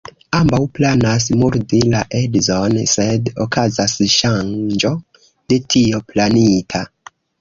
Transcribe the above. Ambaŭ planas murdi la edzon, sed okazas ŝanĝo de tio planita.